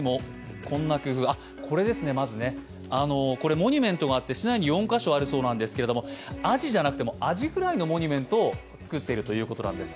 モニュメントが市内に４か所あるそうなんですけど、アジじゃなくても、アジフライのモニュメントを作っているということなんです。